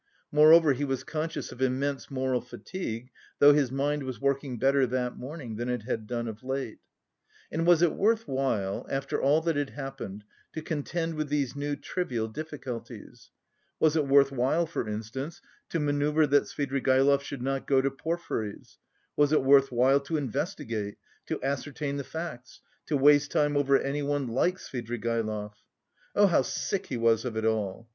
Moreover, he was conscious of immense moral fatigue, though his mind was working better that morning than it had done of late. And was it worth while, after all that had happened, to contend with these new trivial difficulties? Was it worth while, for instance, to manoeuvre that Svidrigaïlov should not go to Porfiry's? Was it worth while to investigate, to ascertain the facts, to waste time over anyone like Svidrigaïlov? Oh, how sick he was of it all!